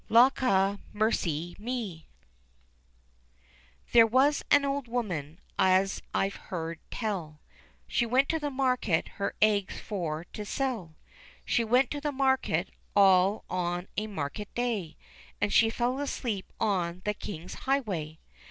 LAWKAMERCYME THERE was an old woman, as IVe heard tell, She went to the market her eggs for to sell ; She went to the market, all on a market day, Aiid she fell asleep on the king's highway.